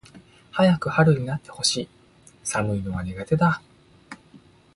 早く春になって欲しい。寒いのは苦手だ。